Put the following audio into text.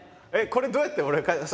これどうやって俺返す。